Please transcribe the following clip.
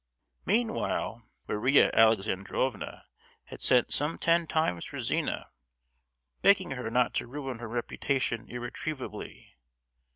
Meanwhile, Maria Alexandrovna had sent some ten times for Zina, begging her not to ruin her reputation irretrievably.